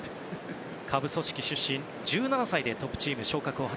下部組織出身で１７歳でトップチーム昇格。